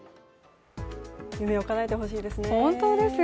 夢をかなえてほしいですね。